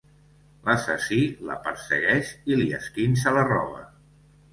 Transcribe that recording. L'assassí la persegueix i li esquinça la roba.